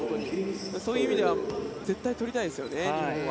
そういう意味では絶対取りたいですよね、日本は。